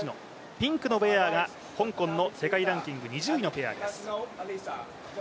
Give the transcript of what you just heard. ピンクのウエアが香港の世界ランキング２０位のペアです。